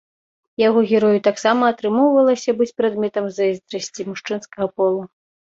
Яго герою таксама атрымоўвалася быць прадметам зайздрасці мужчынскага полу.